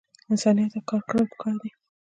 انسانیت ته کار کړل پکار دے